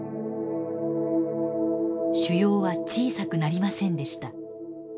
腫瘍は小さくなりませんでした。